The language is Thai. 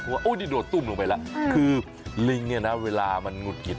ดูดตุ้มลงไปแล้วคือลิงเวลามันหงุดหงิด